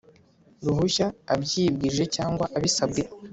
ruhushya abyibwirije cyangwa abisabwe